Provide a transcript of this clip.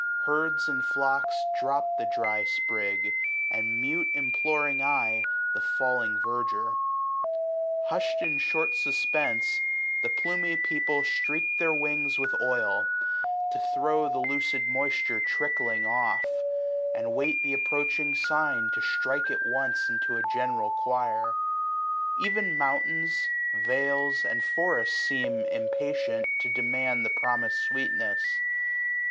Herds and flocks Drop the dry sprig, and mute imploring eye The falling verdure. Hush'd in short suspense. The plumy people streak their, wings with oil, SPRING. To throw the ludd moisture trickling off; 165 And wait th* approaching sign to strike at once. Into the general choir. Ev*n mountains, vales. And forests seem, impatient, to demand The promis*d sweetness.